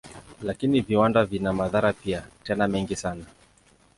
Lakini viwanda vina madhara pia, tena mengi sana.